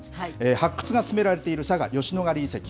発掘が進められている佐賀・吉野ヶ里遺跡。